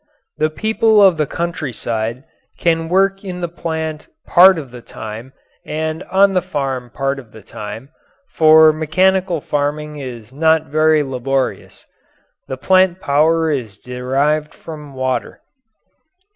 The people of the countryside can work in the plant part of the time and on the farm part of the time, for mechanical farming is not very laborious. The plant power is derived from water.